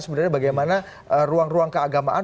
sebenarnya bagaimana ruang ruang keagamaan